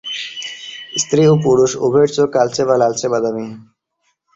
স্ত্রী ও পুরুষ উভয়ের চোখ কালচে বা লালচে-বাদামি।